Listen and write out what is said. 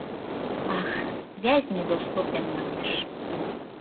Ах, связь недоступен, манеш.